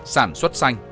sản xuất xanh